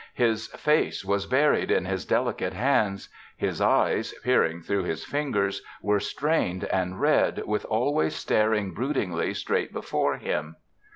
His face was buried in His delicate hands. His eyes, peering through His fingers, were strained and red with always staring broodingly straight before Him.